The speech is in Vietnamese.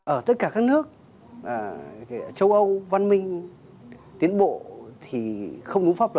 ở tất cả các nước châu âu văn minh tiến bộ thì không đúng pháp luật